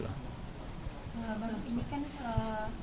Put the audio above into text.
bu pdp sebenarnya menyebut kalau misalkan